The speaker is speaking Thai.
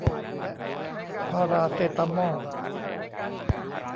พาราเซตามอล